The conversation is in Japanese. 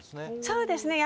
そうですね。